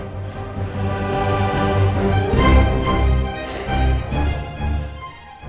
gue penasaran sa